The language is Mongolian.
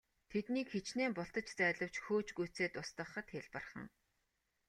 Тэднийг хэчнээн бултаж зайлавч хөөж гүйцээд устгахад хялбархан.